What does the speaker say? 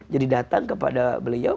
jadi datang kepada beliau